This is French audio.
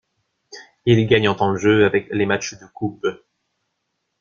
Il gagne en temps de jeu avec les matchs de coupe.